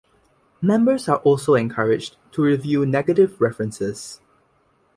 Members are also encouraged to review negative references.